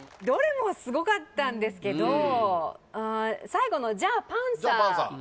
どれもスゴかったんですけど最後の「じゃあパンサー」